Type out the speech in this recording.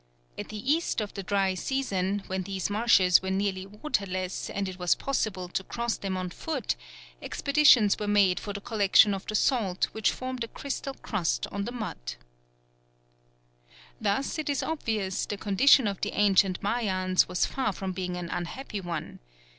At the end of the dry season, when these marshes were nearly waterless and it was possible to cross them on foot, expeditions were made for the collection of the salt which formed a crystal crust on the mud. Thus it is obvious the condition of the ancient Mayans was far from being an unhappy one.